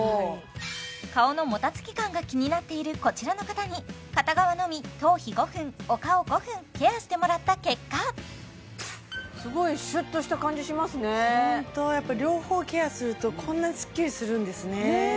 顔のもたつき感が気になっているこちらの方に片側のみ頭皮５分お顔５分ケアしてもらった結果すごいシュっとした感じしますねホントやっぱり両方ケアするとこんなスッキリするんですね